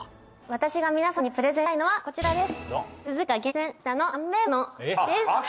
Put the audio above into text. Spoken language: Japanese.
私が皆さんにプレゼンしたいのはこちらです。